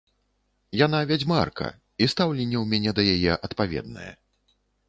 Яна вядзьмарка, і стаўленне ў мяне да яе адпаведнае.